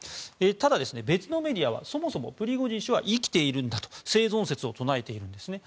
ただ、別のメディアはそもそもプリゴジン氏は生きているんだと生存説を唱えているんですね。